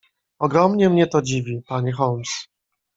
"Ogromnie mnie to dziwi, panie Holmes."